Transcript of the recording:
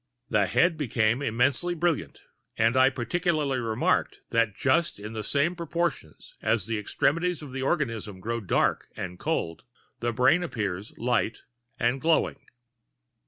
The head became intensely brilliant; and I particularly remarked that just in the same proportion as the extremities of the organism grow dark and cold, the brain appears light and glowing.